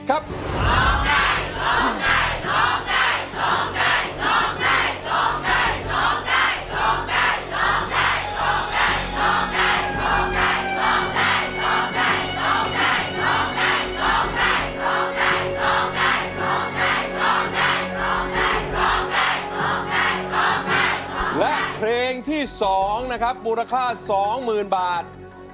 ร้องได้แบบนี้รับราคาสองหมื่นบาท